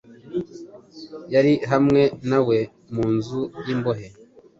yari hamwe nawe mu nzu y’imbohe